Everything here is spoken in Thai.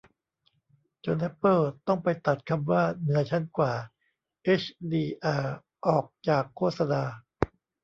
จนแอปเปิลต้องไปตัดคำว่า เหนือชั้นกว่าเฮชดีอาร์ ออกจากโฆษณา